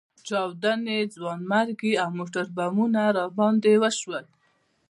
چاودنې، ځانمرګي او موټربمونه راباندې وشول.